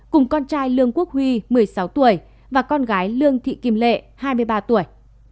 cùng con trai lương quốc huy một mươi sáu tuổi và con gái lương thị kim lệ hai mươi ba tuổi